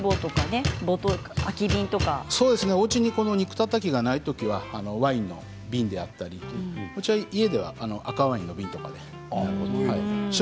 おうちに肉たたきがないときはワインの瓶であったりうちでは、赤ワインの瓶とかでやっています。